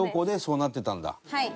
はい。